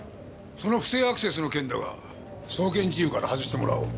その不正アクセスの件だが送検事由から外してもらおう。